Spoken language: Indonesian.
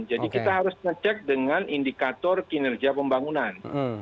jadi kita harus ngecek dengan indikator kinerja pembangunan